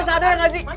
lo semua sadar gak sih